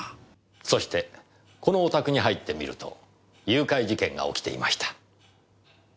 そしてこのお宅に入ってみると誘拐事件が起きていました。